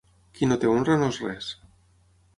Qui no té honra no és res.